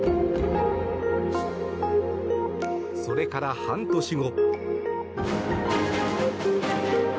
それから半年後。